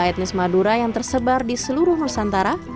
ada lebih dari delapan juta etnis madura yang tersebar di seluruh nusantara